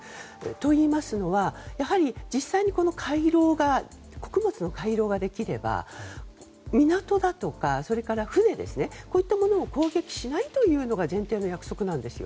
といいますのは実際に穀物の回廊ができれば港だとか、それから船ですねこういったものを攻撃しないというのが前提の約束です。